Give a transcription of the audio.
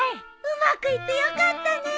うまくいって良かったね。